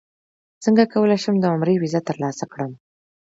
څنګه کولی شم د عمرې ویزه ترلاسه کړم